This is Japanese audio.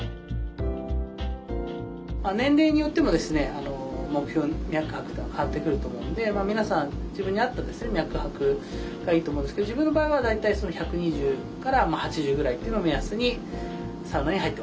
年齢によってもですね目標脈拍が変わってくると思うんで皆さん自分に合ったですね脈拍がいいと思うんですけど自分の場合は大体１２０８０ぐらいっていうのを目安にサウナに入ってます。